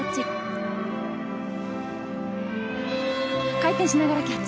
回転しながらキャッチ。